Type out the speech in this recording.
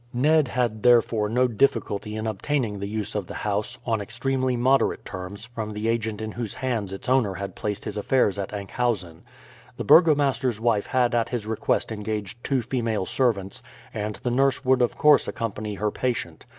Ned had therefore no difficulty in obtaining the use of the house, on extremely moderate terms, from the agent in whose hands its owner had placed his affairs in Enkhuizen. The burgomaster's wife had at his request engaged two female servants, and the nurse would of course accompany her patient.